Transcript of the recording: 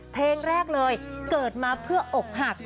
เพลงแรกเลยเกิดมาเพื่ออกหัก